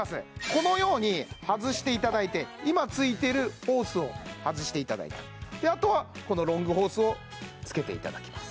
このように外していただいて今ついているホースを外していただいたあとはこのロングホースをつけていただきます